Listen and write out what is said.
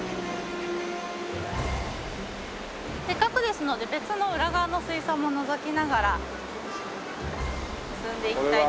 せっかくですので別の裏側の水槽ものぞきながら進んで行きたいと。